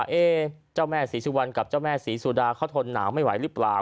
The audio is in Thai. เอ๊เจ้าแม่ศรีสุวรรณกับเจ้าแม่ศรีสุดาเขาทนหนาวไม่ไหวหรือเปล่า